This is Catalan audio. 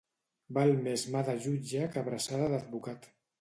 Val més mà de jutge que abraçada d'advocat.